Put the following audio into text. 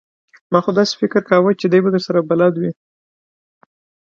ما خو داسې فکر کاوه چې دی به درسره بلد وي!